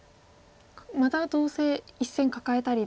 またどうせ１線カカえたり。